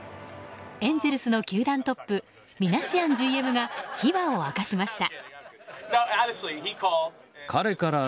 エンゼルスの球団トップミナシアンＧＭが秘話を明かしました。